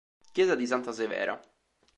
Chiesa di Santa Severa